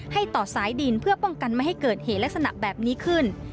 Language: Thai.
ต่อสายดินเพื่อป้องกันไม่ให้เกิดเหตุลักษณะแบบนี้ขึ้น